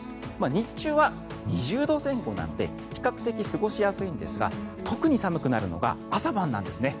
日中は２０度前後なので比較的過ごしやすいんですが特に寒くなるのが朝晩なんですね。